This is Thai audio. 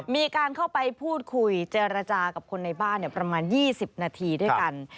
มีการเข้าไปพูดคุยเจรจากับคนในบ้านประมาณ๒๐นาทีด้วยกัน